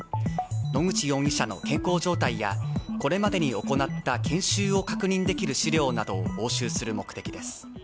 野口容疑者の健康状態やこれまでに行った研修を確認できる資料などを押収する目的です。